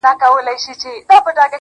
سیاه پوسي ده، ورځ نه ده شپه ده.